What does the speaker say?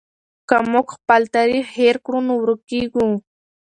که موږ خپل تاریخ هېر کړو نو ورکېږو.